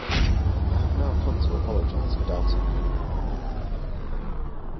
I have now come to apologize for doubting you.